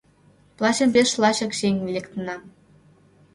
Плащым пеш лачак чиен лектынам.